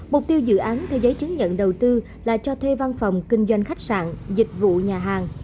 mục tiêu dự án theo giấy chứng nhận đầu tư là cho thuê văn phòng kinh doanh khách sạn dịch vụ nhà hàng